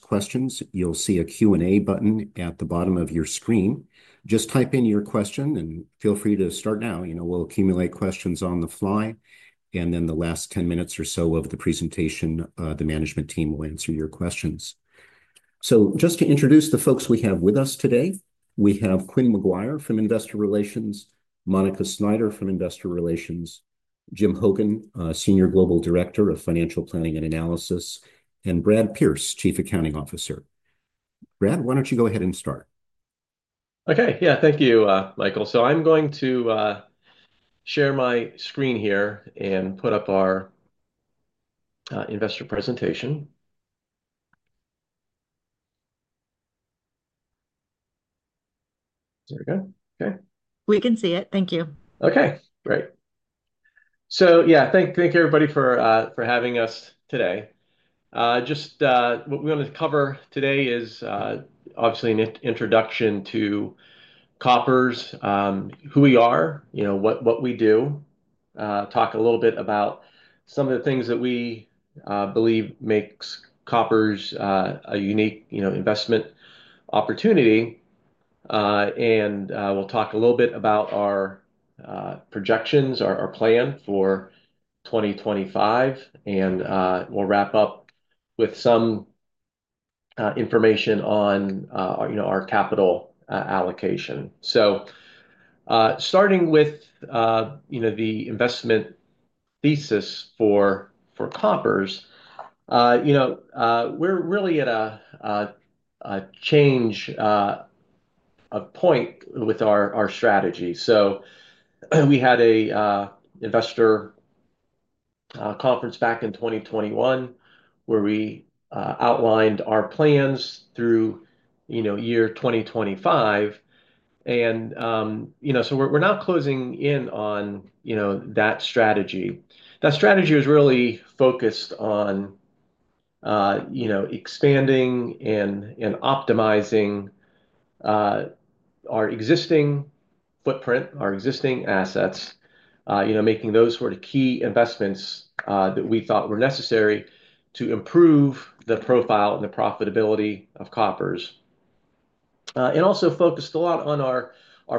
Questions. You'll see a Q&A button at the bottom of your screen. Just type in your question, and feel free to start now. We'll accumulate questions on the fly, and then the last 10 minutes or so of the presentation, the management team will answer your questions. Just to introduce the folks we have with us today, we have Quynh McGuire from Investor Relations, Monica Snyder from Investor Relations, Jim Hogan, Senior Global Director of Financial Planning and Analysis, and Bradley C. Pearce, Chief Accounting Officer. Bradley C. Pearce, why don't you go ahead and start? Okay. Yeah, thank you, Michael Zugay. I'm going to share my screen here and put up our investor presentation. There we go. Okay. We can see it. Thank you. Okay. Great. So yeah, thank everybody for having us today. Just what we're going to cover today is obviously an introduction to Koppers, who we are, what we do, talk a little bit about some of the things that we believe makes Koppers a unique investment opportunity, and we'll talk a little bit about our projections, our plan for 2025, and we'll wrap up with some information on our capital allocation. Starting with the investment thesis for Koppers, we're really at a change of point with our strategy. We had an investor conference back in 2021 where we outlined our plans through year 2025. We are now closing in on that strategy. That strategy is really focused on expanding and optimizing our existing footprint, our existing assets, making those sort of key investments that we thought were necessary to improve the profile and the profitability of Koppers, and also focused a lot on our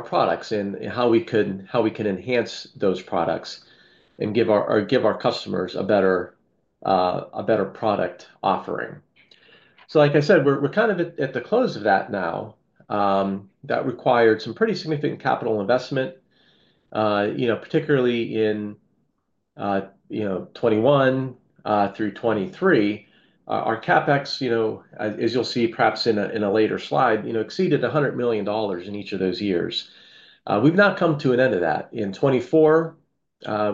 products and how we can enhance those products and give our customers a better product offering. Like I said, we're kind of at the close of that now. That required some pretty significant capital investment, particularly in 2021 through 2023. Our CapEx, as you'll see perhaps in a later slide, exceeded $100 million in each of those years. We've not come to an end of that. In 2024,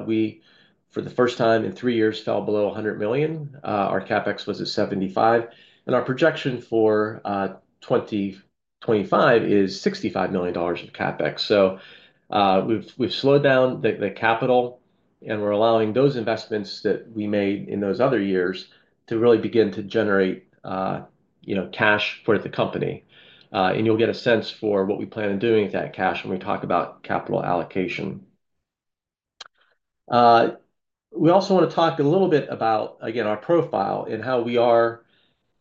we, for the first time in three years, fell below $100 million. Our CapEx was at $75 million. Our projection for 2025 is $65 million of CapEx. We've slowed down the capital, and we're allowing those investments that we made in those other years to really begin to generate cash for the company. You'll get a sense for what we plan on doing with that cash when we talk about capital allocation. We also want to talk a little bit about, again, our profile and how we are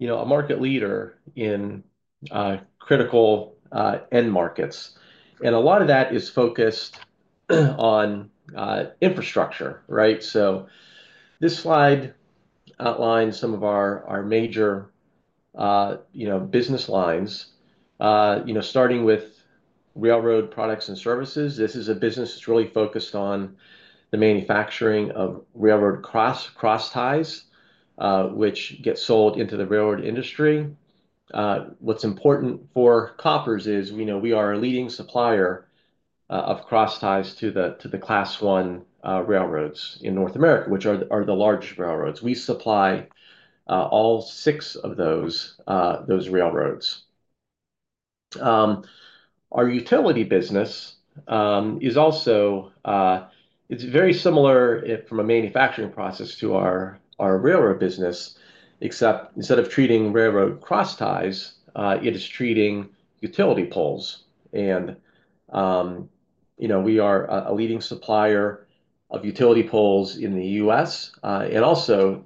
a market leader in critical end markets. A lot of that is focused on infrastructure, right? This slide outlines some of our major business lines, starting with Railroad Products and Services. This is a business that's really focused on the manufacturing of railroad cross ties, which get sold into the railroad industry. What's important for Koppers is we are a leading supplier of cross ties to the Class I railroads in North America, which are the large railroads. We supply all six of those railroads. Our utility business is also very similar from a manufacturing process to our railroad business, except instead of treating railroad cross ties, it is treating utility poles. We are a leading supplier of utility poles in the US and also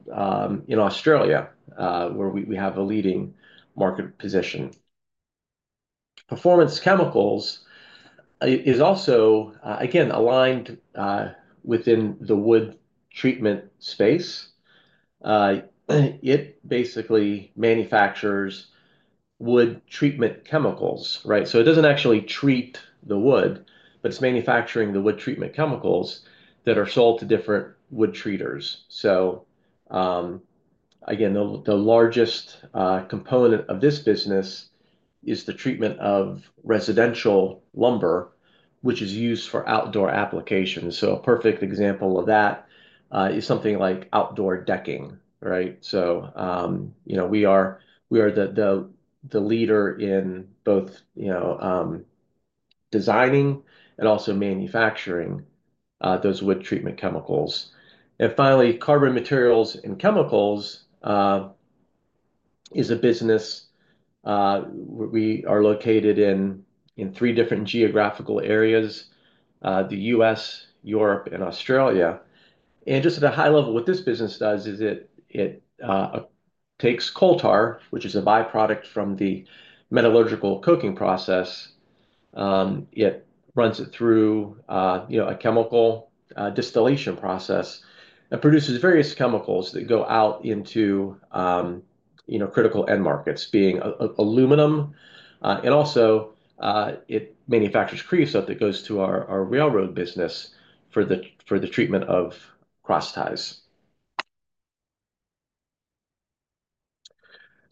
in Australia, where we have a leading market position. Performance Chemicals is also, again, aligned within the wood treatment space. It basically manufactures wood treatment chemicals, right? It does not actually treat the wood, but it is manufacturing the wood treatment chemicals that are sold to different wood treaters. The largest component of this business is the treatment of residential lumber, which is used for outdoor applications. A perfect example of that is something like outdoor decking, right? We are the leader in both designing and also manufacturing those wood treatment chemicals. Finally, Carbon Materials and Chemicals is a business. We are located in three different geographical areas: the US, Europe, and Australia. Just at a high level, what this business does is it takes coal tar, which is a byproduct from the metallurgical coking process. It runs it through a chemical distillation process and produces various chemicals that go out into critical end markets, being aluminum. It also manufactures creosote that goes to our railroad business for the treatment of cross ties.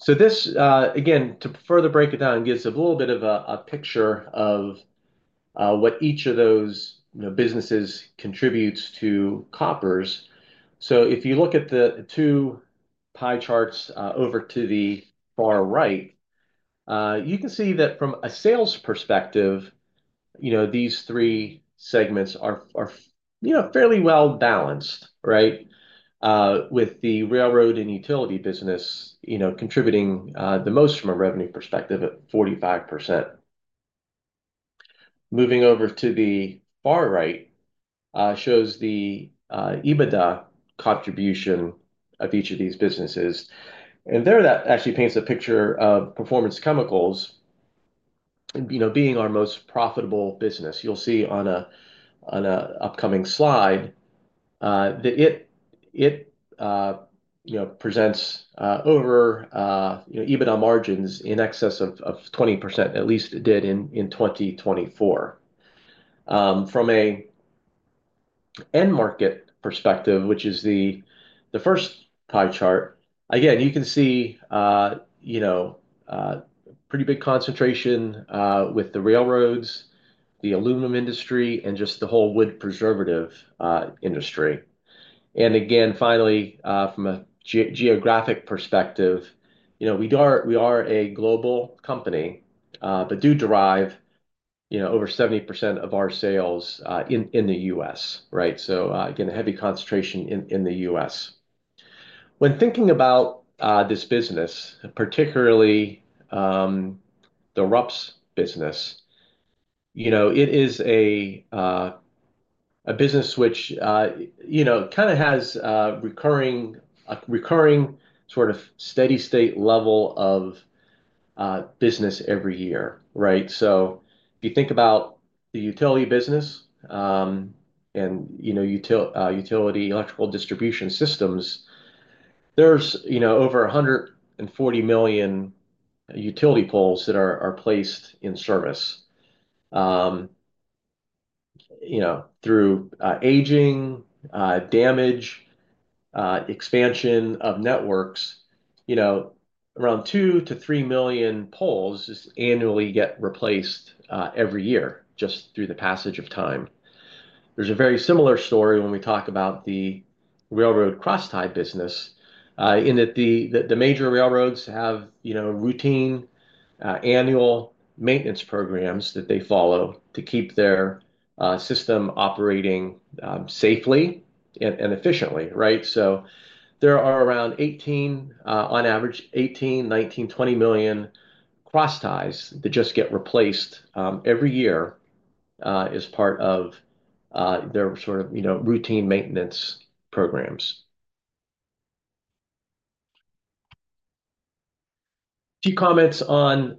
This, again, to further break it down, gives a little bit of a picture of what each of those businesses contributes to Koppers. If you look at the two pie charts over to the far right, you can see that from a sales perspective, these three segments are fairly well balanced, right, with the railroad and utility business contributing the most from a revenue perspective at 45%. Moving over to the far right shows the EBITDA contribution of each of these businesses. There, that actually paints a picture of Performance Chemicals being our most profitable business. You'll see on an upcoming slide that it presents over EBITDA margins in excess of 20%, at least it did in 2024. From an end market perspective, which is the first pie chart, again, you can see a pretty big concentration with the railroads, the aluminum industry, and just the whole wood preservative industry. Finally, from a geographic perspective, we are a global company, but do derive over 70% of our sales in the U.S., right? Again, a heavy concentration in the U.S. When thinking about this business, particularly the RUPS business, it is a business which kind of has a recurring sort of steady-state level of business every year, right? If you think about the utility business and utility electrical distribution systems, there's over 140 million utility poles that are placed in service through aging, damage, expansion of networks. Around 2-3 million poles just annually get replaced every year just through the passage of time. There's a very similar story when we talk about the railroad cross tie business in that the major railroads have routine annual maintenance programs that they follow to keep their system operating safely and efficiently, right? There are around 18, on average, 18, 19, 20 million cross ties that just get replaced every year as part of their sort of routine maintenance programs. A few comments on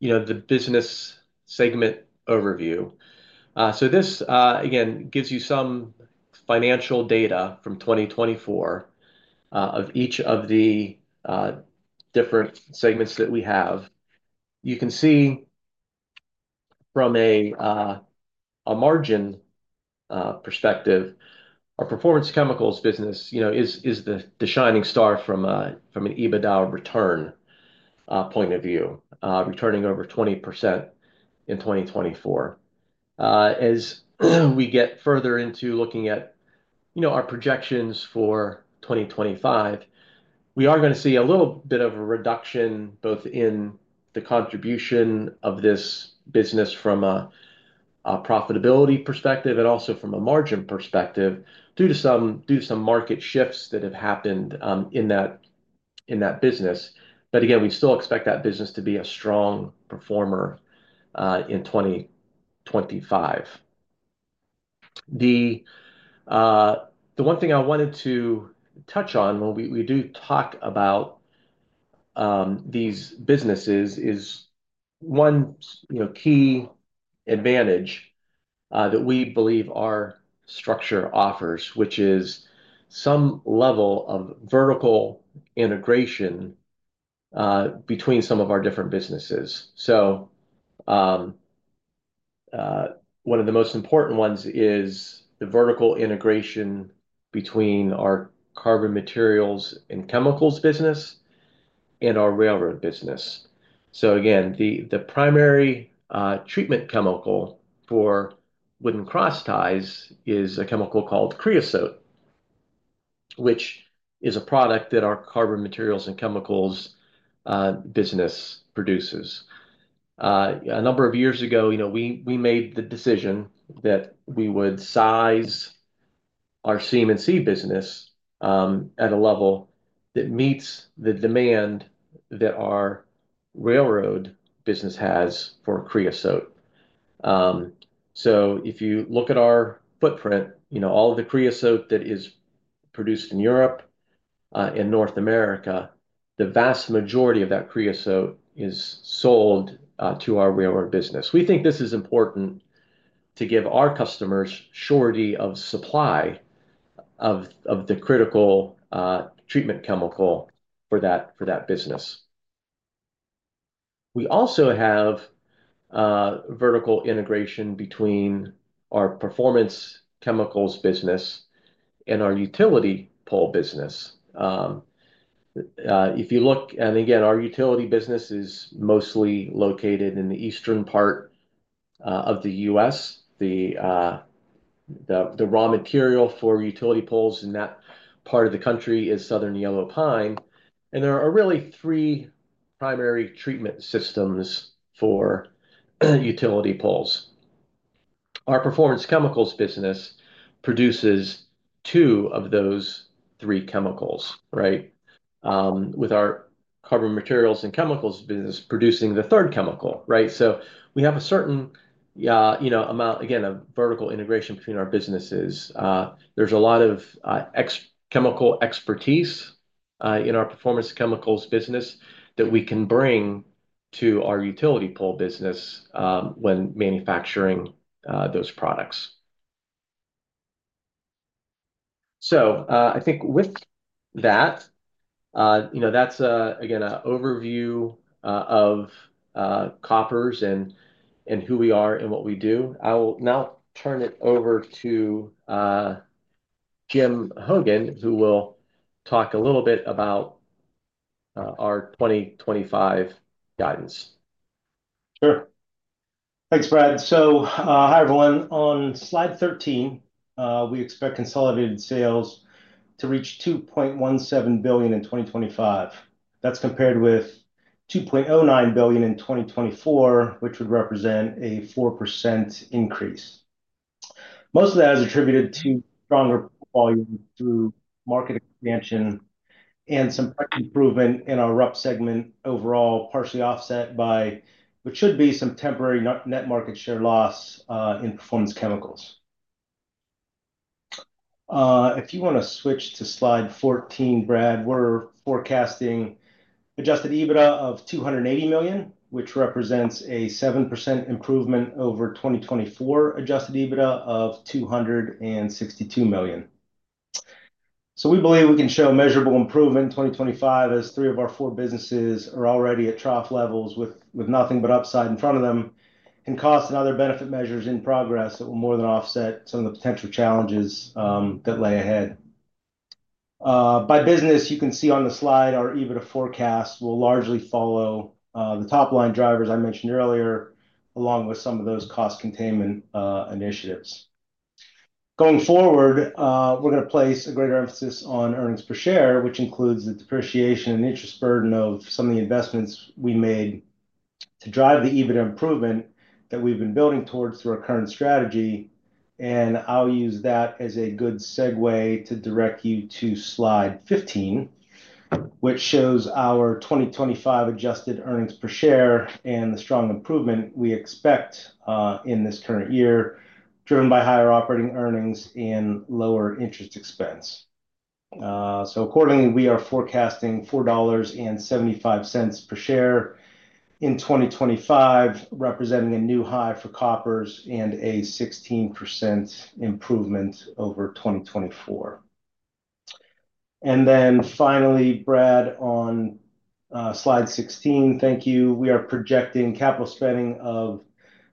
the business segment overview. This, again, gives you some financial data from 2024 of each of the different segments that we have. You can see from a margin perspective, our Performance Chemicals business is the shining star from an EBITDA return point of view, returning over 20% in 2024. As we get further into looking at our projections for 2025, we are going to see a little bit of a reduction both in the contribution of this business from a profitability perspective and also from a margin perspective due to some market shifts that have happened in that business. Again, we still expect that business to be a strong performer in 2025. The one thing I wanted to touch on when we do talk about these businesses is one key advantage that we believe our structure offers, which is some level of vertical integration between some of our different businesses. One of the most important ones is the vertical integration between our Carbon Materials and Chemicals business and our railroad business. Again, the primary treatment chemical for wooden cross ties is a chemical called creosote, which is a product that our Carbon Materials and Chemicals business produces. A number of years ago, we made the decision that we would size our CM&C business at a level that meets the demand that our railroad business has for creosote. If you look at our footprint, all of the creosote that is produced in Europe and North America, the vast majority of that creosote is sold to our railroad business. We think this is important to give our customers surety of supply of the critical treatment chemical for that business. We also have vertical integration between our Performance Chemicals business and our utility pole business. If you look, again, our utility business is mostly located in the eastern part of the U.S. The raw material for utility poles in that part of the country is southern yellow pine. There are really three primary treatment systems for utility poles. Our Performance Chemicals business produces two of those three chemicals, right? With our Carbon Materials and Chemicals business producing the third chemical, right? We have a certain amount, again, of vertical integration between our businesses. There is a lot of chemical expertise in our Performance Chemicals business that we can bring to our utility pole business when manufacturing those products. I think with that, that is, again, an overview of Koppers and who we are and what we do. I will now turn it over to Jim Hogan, who will talk a little bit about our 2025 guidance. Sure. Thanks, Bradley C. Pearce. Hi, everyone. On slide 13, we expect consolidated sales to reach $2.17 billion in 2025. That's compared with $2.09 billion in 2024, which would represent a 4% increase. Most of that is attributed to stronger volume through market expansion and some price improvement in our RUPS segment overall, partially offset by what should be some temporary net market share loss in Performance Chemicals. If you want to switch to slide 14, Bradley C. Pearce, we're forecasting adjusted EBITDA of $280 million, which represents a 7% improvement over 2024 adjusted EBITDA of $262 million. We believe we can show measurable improvement in 2025 as three of our four businesses are already at trough levels with nothing but upside in front of them and cost and other benefit measures in progress that will more than offset some of the potential challenges that lay ahead. By business, you can see on the slide our EBITDA forecast will largely follow the top-line drivers I mentioned earlier, along with some of those cost containment initiatives. Going forward, we're going to place a greater emphasis on earnings per share, which includes the depreciation and interest burden of some of the investments we made to drive the EBITDA improvement that we've been building towards through our current strategy. I'll use that as a good segue to direct you to slide 15, which shows our 2025 adjusted earnings per share and the strong improvement we expect in this current year, driven by higher operating earnings and lower interest expense. Accordingly, we are forecasting $4.75 per share in 2025, representing a new high for Koppers and a 16% improvement over 2024. Finally, Bradley C. Pearce, on slide 16, thank you. We are projecting capital spending of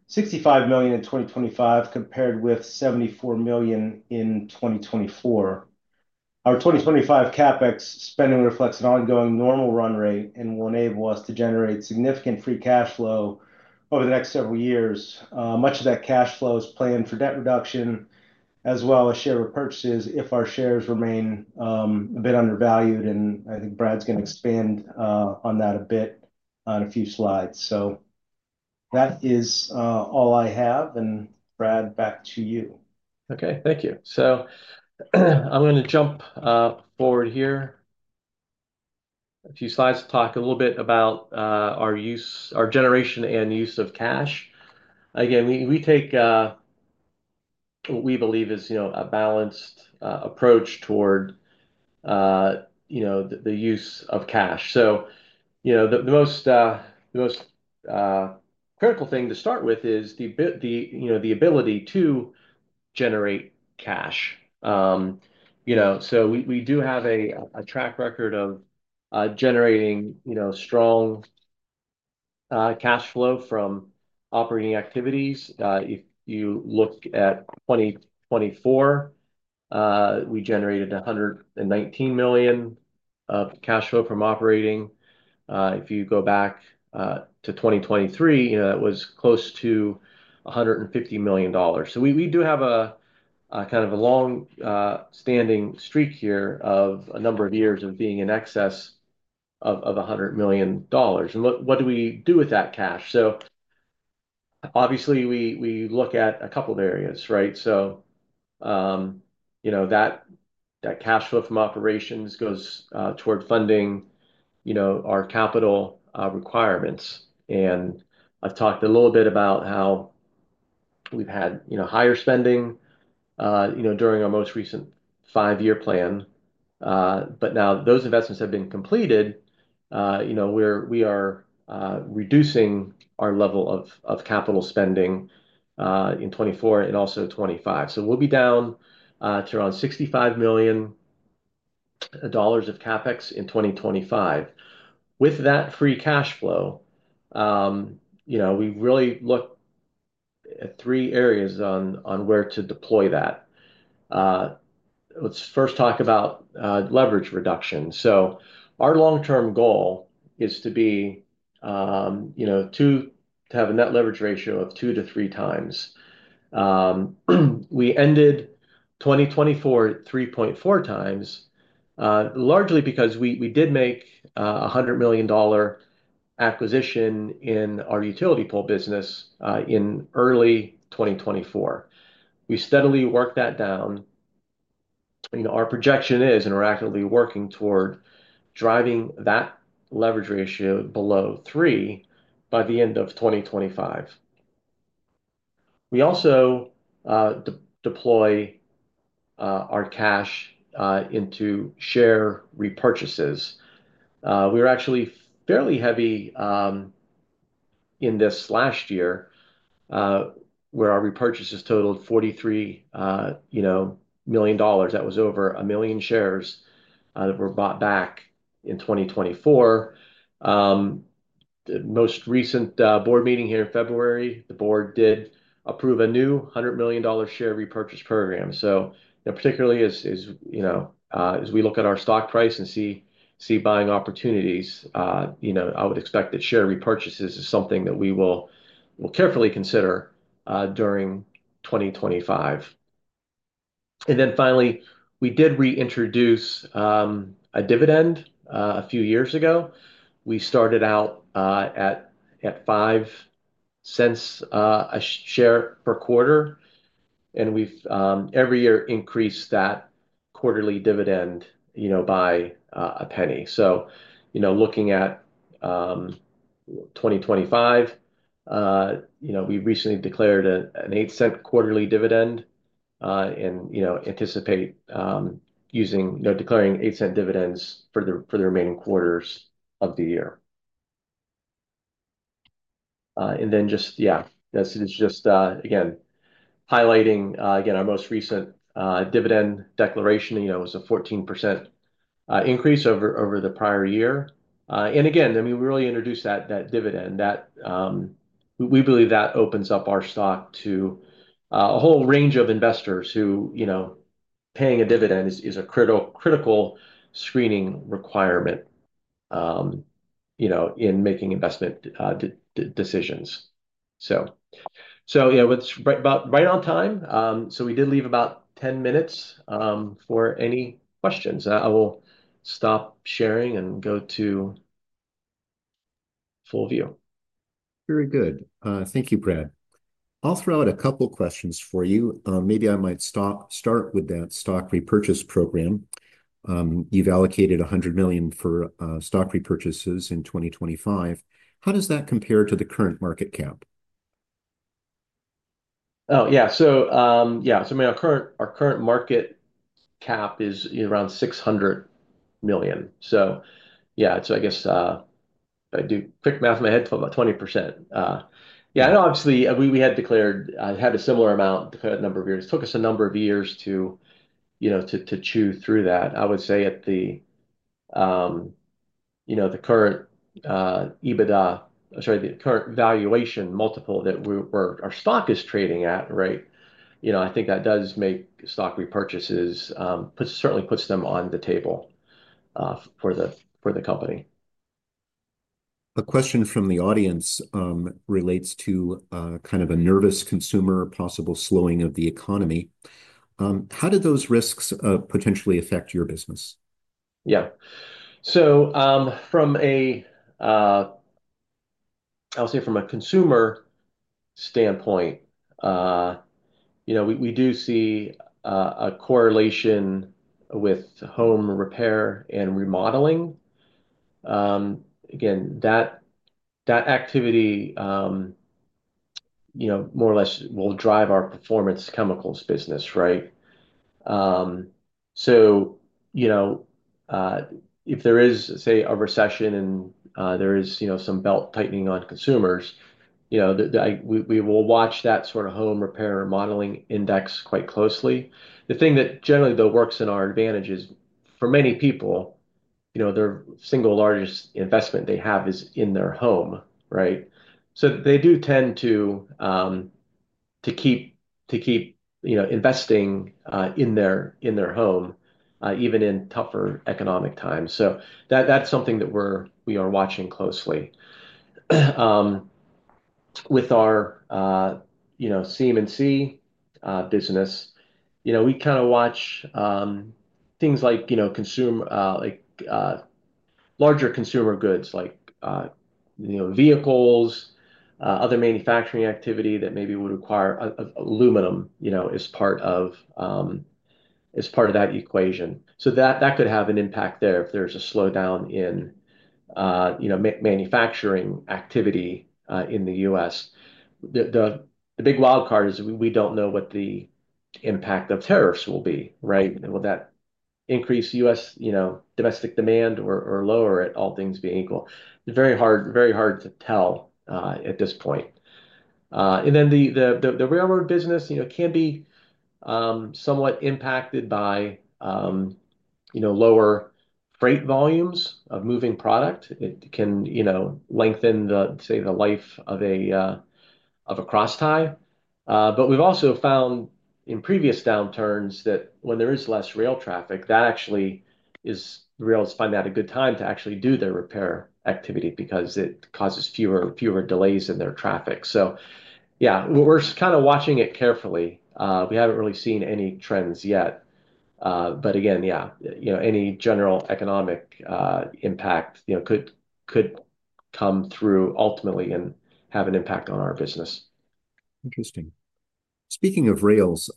$65 million in 2025, compared with $74 million in 2024. Our 2025 CapEx spending reflects an ongoing normal run rate and will enable us to generate significant free cash flow over the next several years. Much of that cash flow is planned for debt reduction as well as share repurchases if our shares remain a bit undervalued. I think Bradley C. Pearce's going to expand on that a bit on a few slides. That is all I have. Bradley C. Pearce, back to you. Okay. Thank you. I'm going to jump forward here a few slides to talk a little bit about our generation and use of cash. Again, we take what we believe is a balanced approach toward the use of cash. The most critical thing to start with is the ability to generate cash. We do have a track record of generating strong cash flow from operating activities. If you look at 2024, we generated $119 million of cash flow from operating. If you go back to 2023, that was close to $150 million. We do have a kind of a long-standing streak here of a number of years of being in excess of $100 million. What do we do with that cash? Obviously, we look at a couple of areas, right? That cash flow from operations goes toward funding our capital requirements. I've talked a little bit about how we've had higher spending during our most recent five-year plan. Now those investments have been completed, we are reducing our level of capital spending in 2024 and also 2025. We will be down to around $65 million of CapEx in 2025. With that free cash flow, we really look at three areas on where to deploy that. Let's first talk about leverage reduction. Our long-term goal is to have a net leverage ratio of two to three times. We ended 2024 at 3.4 times, largely because we did make a $100 million acquisition in our utility pole business in early 2024. We steadily worked that down. Our projection is, and we're actively working toward driving that leverage ratio below three by the end of 2025. We also deploy our cash into share repurchases. We were actually fairly heavy in this last year where our repurchases totaled $43 million. That was over a million shares that were bought back in 2024. Most recent board meeting here in February, the board did approve a new $100 million share repurchase program. Particularly as we look at our stock price and see buying opportunities, I would expect that share repurchases is something that we will carefully consider during 2025. Finally, we did reintroduce a dividend a few years ago. We started out at $0.05 a share per quarter, and we've every year increased that quarterly dividend by a penny. Looking at 2025, we recently declared an $0.08 quarterly dividend and anticipate declaring $0.08 dividends for the remaining quarters of the year. This is just, again, highlighting, again, our most recent dividend declaration was a 14% increase over the prior year. I mean, we really introduced that dividend. We believe that opens up our stock to a whole range of investors who paying a dividend is a critical screening requirement in making investment decisions. It's right on time. We did leave about 10 minutes for any questions. I will stop sharing and go to full view. Very good. Thank you, Bradley C. Pearce. I'll throw out a couple of questions for you. Maybe I might start with that stock repurchase program. You've allocated $100 million for stock repurchases in 2025. How does that compare to the current market cap? Yeah, our current market cap is around $600 million. I guess I do quick math in my head for about 20%. Obviously, we had declared a similar amount, declared a number of years. It took us a number of years to chew through that. I would say at the current EBITDA, sorry, the current valuation multiple that our stock is trading at, I think that does make stock repurchases, certainly puts them on the table for the company. A question from the audience relates to kind of a nervous consumer, possible slowing of the economy. How did those risks potentially affect your business? Yeah. I'll say from a consumer standpoint, we do see a correlation with home repair and remodeling. Again, that activity more or less will drive our Performance Chemicals business, right? If there is, say, a recession and there is some belt tightening on consumers, we will watch that sort of home repair and remodeling index quite closely. The thing that generally, though, works in our advantage is for many people, their single largest investment they have is in their home, right? They do tend to keep investing in their home, even in tougher economic times. That's something that we are watching closely. With our CM&C business, we kind of watch things like larger consumer goods, like vehicles, other manufacturing activity that maybe would require aluminum as part of that equation. That could have an impact there if there is a slowdown in manufacturing activity in the U.S. The big wild card is we do not know what the impact of tariffs will be, right? Will that increase U.S., domestic demand or lower it, all things being equal? Very hard to tell at this point. The railroad business can be somewhat impacted by lower freight volumes of moving product. It can lengthen, say, the life of a cross tie. We have also found in previous downturns that when there is less rail traffic, that actually is railroads find that a good time to actually do their repair activity because it causes fewer delays in their traffic. Yeah, we're kind of watching it carefully. We haven't really seen any trends yet. Again, any general economic impact could come through ultimately and have an impact on our business. Interesting. Speaking of rails,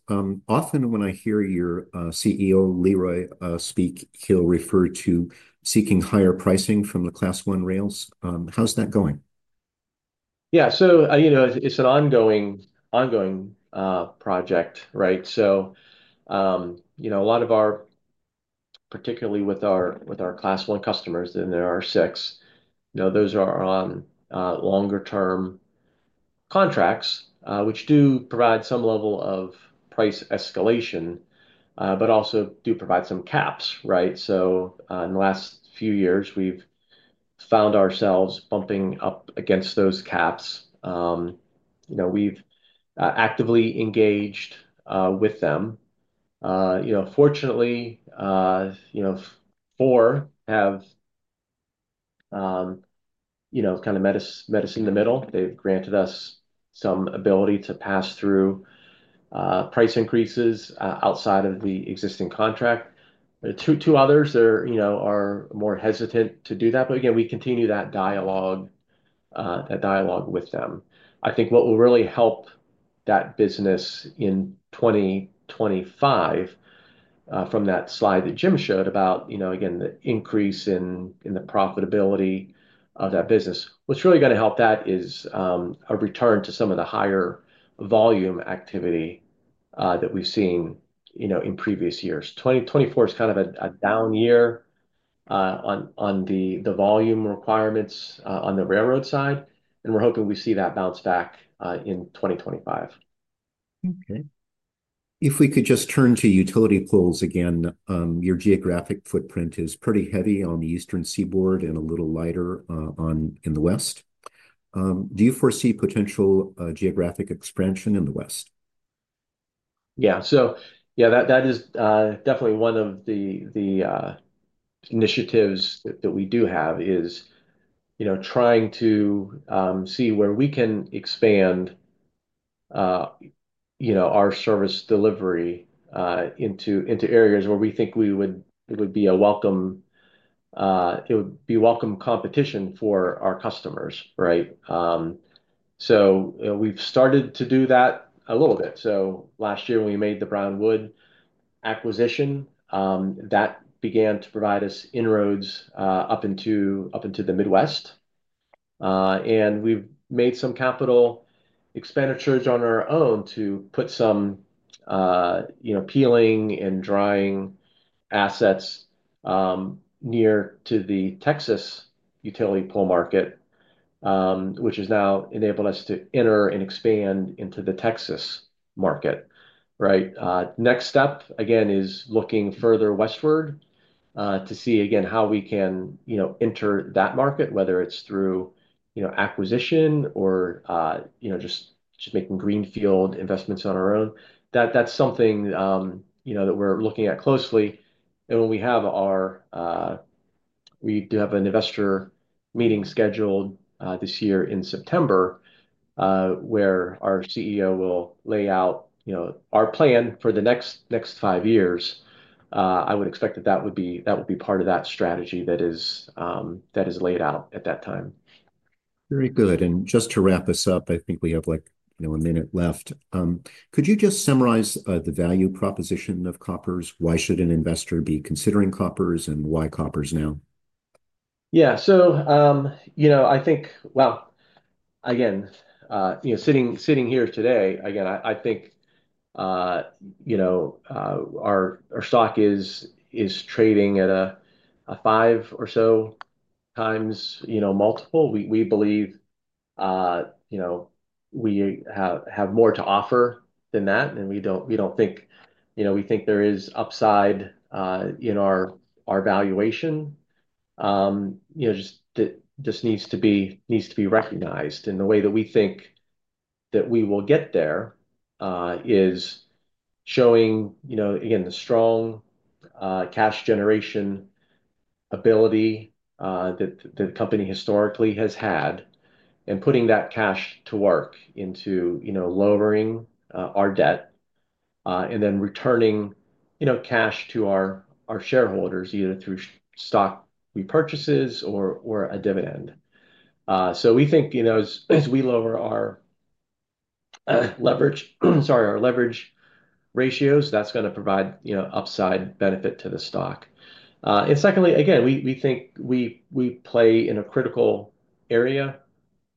often when I hear your CEO, Leroy, speak, he'll refer to seeking higher pricing from the Class I rails. How's that going? Yeah. It's an ongoing project, right? A lot of our, particularly with our Class I customers, and there are six, those are on longer-term contracts, which do provide some level of price escalation, but also do provide some caps, right? In the last few years, we've found ourselves bumping up against those caps. We've actively engaged with them. Fortunately, four have kind of met us in the middle. They've granted us some ability to pass through price increases outside of the existing contract. Two others are more hesitant to do that. Again, we continue that dialogue with them. I think what will really help that business in 2025, from that slide that Jim Hogan showed about, again, the increase in the profitability of that business, what's really going to help that is a return to some of the higher volume activity that we've seen in previous years. 2024 is kind of a down year on the volume requirements on the railroad side. We are hoping we see that bounce back in 2025. Okay. If we could just turn to utility poles again, your geographic footprint is pretty heavy on the Eastern Seaboard and a little lighter in the West. Do you foresee potential geographic expansion in the West? Yeah. Yeah, that is definitely one of the initiatives that we do have, is trying to see where we can expand our service delivery into areas where we think it would be welcome competition for our customers, right? We've started to do that a little bit. Last year, when we made the Brown Wood acquisition, that began to provide us inroads up into the Midwest. We've made some capital expenditures on our own to put some peeling and drying assets near to the Texas utility pole market, which has now enabled us to enter and expand into the Texas market, right? Next step, again, is looking further westward to see, again, how we can enter that market, whether it's through acquisition or just making greenfield investments on our own. That's something that we're looking at closely. When we have our, we do have an investor meeting scheduled this year in September where our CEO will lay out our plan for the next five years. I would expect that that would be part of that strategy that is laid out at that time. Very good. Just to wrap us up, I think we have a minute left. Could you just summarize the value proposition of Koppers? Why should an investor be considering Koppers and why Koppers now? Yeah. I think, again, sitting here today, again, I think our stock is trading at a five or so times multiple. We believe we have more to offer than that. We do not think, we think there is upside in our valuation. It just needs to be recognized. The way that we think that we will get there is showing, again, the strong cash generation ability that the company historically has had and putting that cash to work into lowering our debt and then returning cash to our shareholders either through stock repurchases or a dividend. We think as we lower our leverage, sorry, our leverage ratios, that's going to provide upside benefit to the stock. Secondly, again, we think we play in a critical area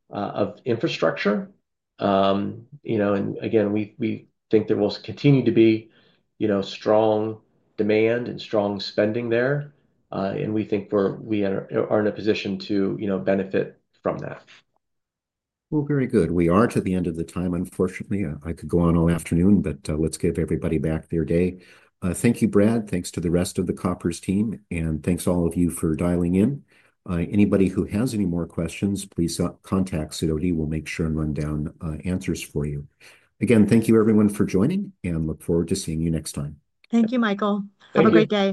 of infrastructure. Again, we think there will continue to be strong demand and strong spending there. We think we are in a position to benefit from that. Very good. We are to the end of the time, unfortunately. I could go on all afternoon, but let's give everybody back their day. Thank you, Bradley C. Pearce. Thanks to the rest of the Koppers team. Thank you all for dialing in. Anybody who has any more questions, please contact Sidoti. We will make sure and run down answers for you. Again, thank you, everyone, for joining, and look forward to seeing you next time. Thank you, Michael Zugay. Have a great day.